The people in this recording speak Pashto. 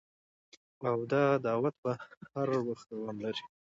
او دا دعوت به هر وخت دوام لري